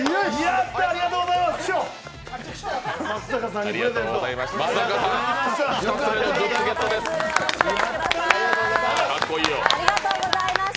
やった、ありがとうございます。